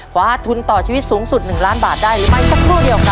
คว้าทุนต่อชีวิตสูงสุด๑ล้านบาทได้หรือไม่สักครู่เดียวครับ